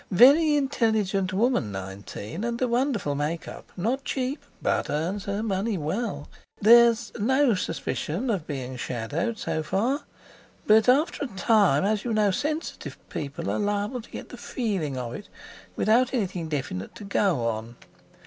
"Very intelligent woman, 19, and a wonderful make up. Not cheap, but earns her money well. There's no suspicion of being shadowed so far. But after a time, as you know, sensitive people are liable to get the feeling of it, without anything definite to go on.